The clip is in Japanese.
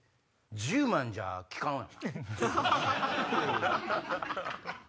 １０万じゃ利かんわな。